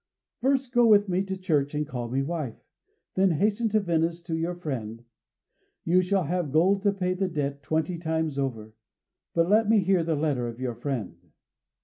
"First go with me to church and call me wife, then hasten to Venice, to your friend. You shall have gold to pay the debt twenty times over.... But let me hear the letter of your friend."